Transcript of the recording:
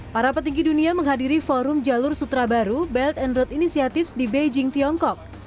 para petinggi dunia menghadiri forum jalur sutra baru belt and road initiatives di beijing tiongkok